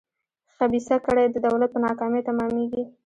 خبیثه کړۍ د دولت په ناکامۍ تمامېږي.